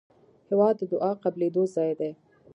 هېواد د دعا قبلېدو ځای دی.